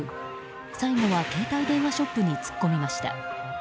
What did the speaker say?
最後は携帯電話ショップに突っ込みました。